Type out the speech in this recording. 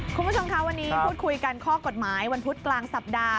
คุณผู้ชมคะวันนี้พูดคุยกันข้อกฎหมายวันพุธกลางสัปดาห์